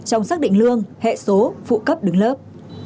trong xác định lương hệ số phụ cấp đứng lớp